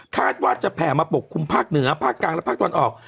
คาดว่าจะแผ่มาปกคลุมภาคเหนือภาคกลางและภาคตะวันออก